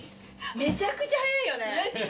めちゃくちゃ速いよね！